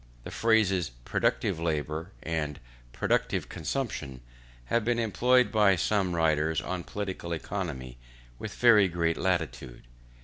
The phrases productive labour, and productive consumption, have been employed by some writers on political economy with very great latitude.